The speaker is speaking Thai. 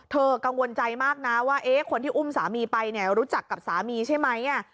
กังวลใจมากนะว่าคนที่อุ้มสามีไปเนี่ยรู้จักกับสามีใช่ไหม